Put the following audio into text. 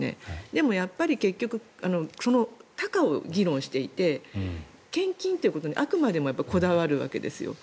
でもやっぱり、結局その多寡を議論していて献金ということにあくまでもこだわるわけですよ。